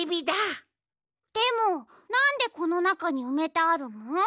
でもなんでこのなかにうめてあるの？